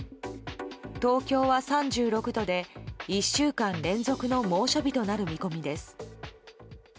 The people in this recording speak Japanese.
東京は３６度で、１週間連続の猛暑日となる見込みです。